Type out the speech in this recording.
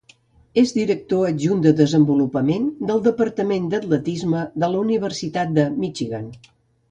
És director adjunt de desenvolupament del departament d'atletisme de la Universitat de Michigan.